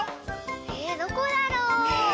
えどこだろう？ねえ。